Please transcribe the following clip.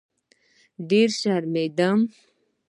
ډېره شرمېدم.